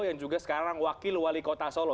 yang juga sekarang wakil wali kota solo